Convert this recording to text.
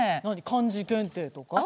漢字検定とか？